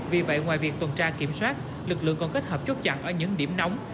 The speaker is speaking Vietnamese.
vì vậy ngoài việc tuần tra kiểm soát lực lượng còn kết hợp chốt chặn ở những điểm nóng